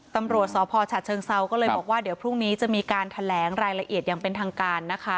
ตำรวจสพฉเชิงเซาก็เลยบอกว่าเดี๋ยวพรุ่งนี้จะมีการแถลงรายละเอียดอย่างเป็นทางการนะคะ